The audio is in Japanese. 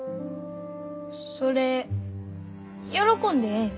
それ喜んでええん？